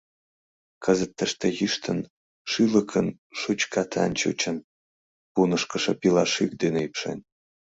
Кызыт тыште йӱштын, шӱлыкын-шучкатан чучын, пунышкышо пила шӱк дене ӱпшен.